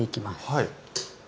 はい。